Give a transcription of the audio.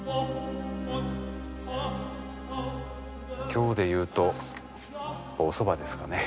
今日で言うと「おそば」ですかね。